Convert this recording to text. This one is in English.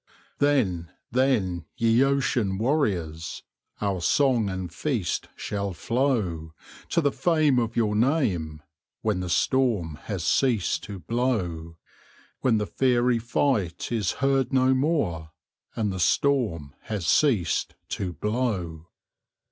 Then, then, ye ocean warriors! Our song and feast shall flow To the fame of your name, When the storm has ceased to blow; When the fiery fight is heard no more, And the storm has ceased to blow.